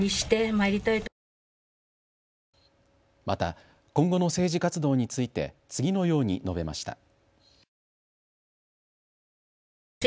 また、今後の政治活動について次のように述べました。